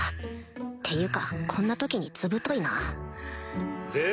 っていうかこんな時にずぶといな・で？